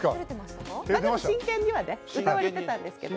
真剣には歌われてたんですけど。